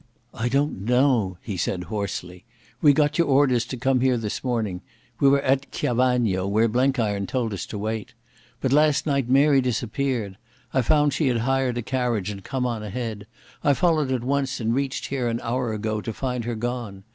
"I don't know," he said hoarsely. "We got your orders to come here this morning. We were at Chiavagno, where Blenkiron told us to wait. But last night Mary disappeared.... I found she had hired a carriage and come on ahead. I followed at once, and reached here an hour ago to find her gone....